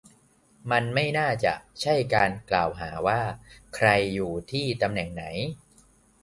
มันไม่น่าจะใช่การกล่าวหาว่า ใครอยู่ที่ตำแหน่งไหน